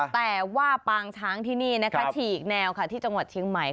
แต่ว่าปางช้างที่นี่นะคะฉีกแนวค่ะที่จังหวัดเชียงใหม่